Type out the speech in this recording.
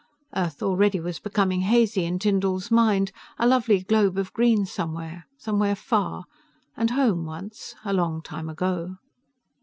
Earth already was becoming hazy in Tyndall's mind, a lovely globe of green somewhere ... somewhere far, and home once, a long time ago.